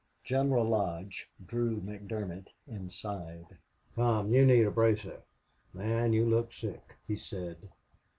General Lodge drew McDermott inside. "Come. You need a bracer. Man, you look sick," he said.